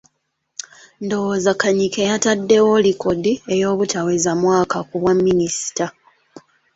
Ndowooza Kanyike yataddewo likodi ey’obutaweza mwaka ku bwa Minisita.